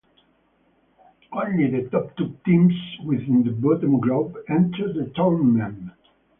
Only the top two teams within the bottom group enter the tournament.